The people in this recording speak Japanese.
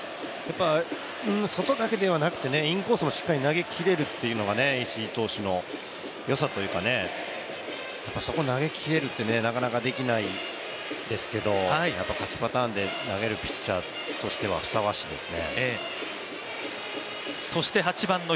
外だけではなくてインコースもしっかり投げきれるというのが石井投手のよさというかね、そこ投げきれるってなかなかできないですけど、やっぱり勝ちパターンで投げるピッチャーとしてはふさわしいですね。